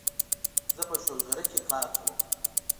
زه په شولګره کې کار کوم